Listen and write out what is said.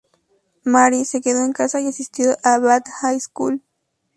Mary, se quedó en casa y asistió a Bath High School.